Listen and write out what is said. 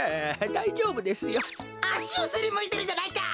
あしをすりむいてるじゃないか！